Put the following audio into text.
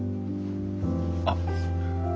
あっ。